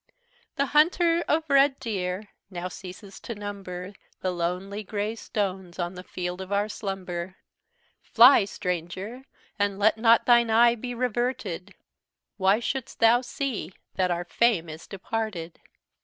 "The hunter of red deer now ceases to number The lonely gray stones on the field of our slumber. Fly, stranger! and let not thine eye be reverted. Why should'st thou see that our fame is departed?"